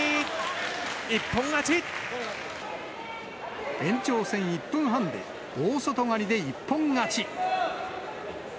一本延長戦１分半で大外刈りで一本勝ち。